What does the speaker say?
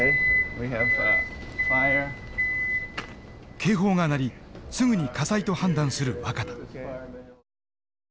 警報が鳴りすぐに火災と判断する若田。